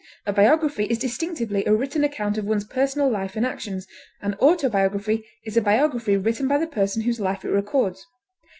A biography is distinctively a written account of one person's life and actions; an autobiography is a biography written by the person whose life it records.